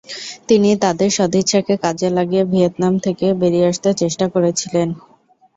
তিনি তাদের সদিচ্ছাকে কাজে লাগিয়ে ভিয়েতনাম থেকে বেরিয়ে আসতে চেষ্টা করেছিলেন।